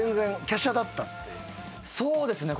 そうですね。